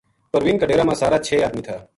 پروین کا ڈیرا ما سارا چھ ادمی تھا